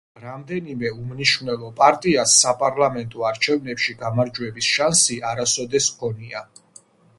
რამდენიმე უმნიშვნელო პარტიას საპარლამენტო არჩევნებში გამარჯვების შანსი არასოდეს ჰქონია.